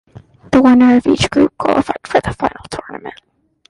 The winner of each group qualified for the final tournament.